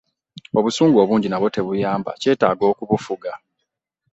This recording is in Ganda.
Obusungu obungi nabwo tebuyamba kyetaaga kubufuga.